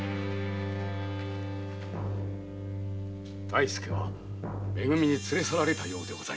大助はめ組に連れ去られたようで。